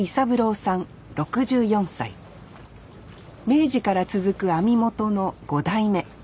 明治から続く網元の５代目。